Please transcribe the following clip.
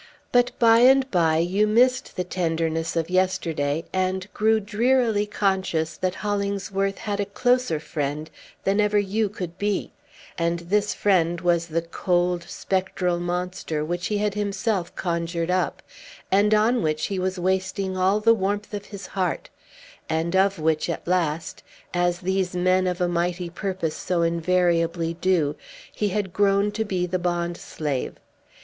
But by and by you missed the tenderness of yesterday, and grew drearily conscious that Hollingsworth had a closer friend than ever you could be; and this friend was the cold, spectral monster which he had himself conjured up, and on which he was wasting all the warmth of his heart, and of which, at last, as these men of a mighty purpose so invariably do, he had grown to be the bond slave.